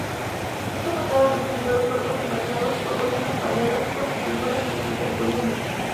Esta portada presenta dos cuerpos enmarcados por columnas pareadas, con esculturas en los intercolumnios.